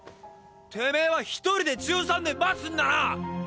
てめぇは一人で１３年待つんだな！